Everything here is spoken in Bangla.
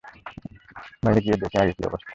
বাইরে গিয়ে আগে দেখি কী অবস্থা।